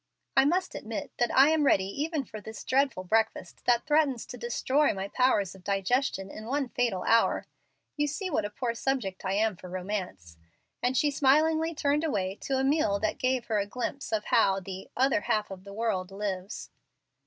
I must admit that I am ready even for this dreadful breakfast, that threatens to destroy my powers of digestion in one fatal hour. You see what a poor subject I am for romance;" and she smilingly turned away to a meal that gave her a glimpse of how the "other half of the world lives."